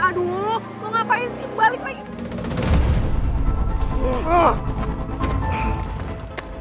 aduh mau ngapain sih balik lagi